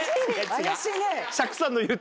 怪しいね。